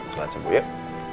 shalat subuh yuk